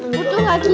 betul nggak gede nih